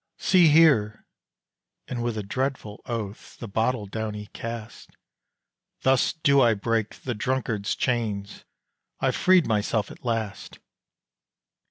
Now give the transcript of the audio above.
"See here!" and with a dreadful oath The bottle down he cast "Thus do I break the drunkard's chains I've freed myself at last."